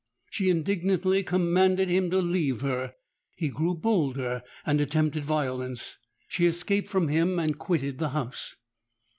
She indignantly commanded him to leave her: he grew bolder, and attempted violence. She escaped from him, and quitted the house.